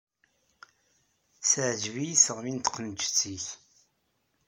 Teɛǧeb-iyi teɣmi n tqemǧet-ik.